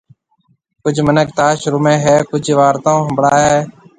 ڪجھ مِنک تاش رُميَ ھيََََ، ڪجھ وارتائون ھنڀڙائيَ ھيََََ